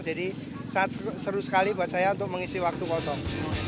jadi sangat seru sekali buat saya untuk mengisi waktu kosong